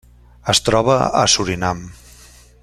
Es troba a Surinam.